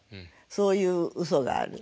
そういううそがある。